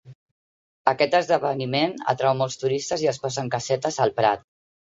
Aquest esdeveniment atrau molts turistes i es posen casetes al prat.